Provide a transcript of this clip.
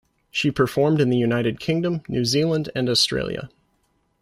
She performed in the United Kingdom, New Zealand and Australia.